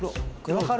分かる？